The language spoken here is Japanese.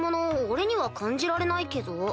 俺には感じられないけど？